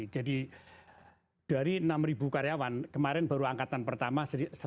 jadi dari enam ribu karyawan kemarin baru angkatan pertama satu ratus delapan puluh